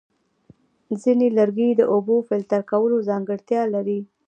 ځینې لرګي د اوبو د فلټر کولو ځانګړتیا لري.